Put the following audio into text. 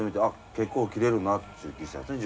結構切れるなっちゅう気したんですね